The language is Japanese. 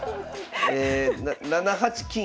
え７八金。